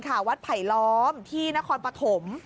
วัดไผลล้อมที่นครปฐม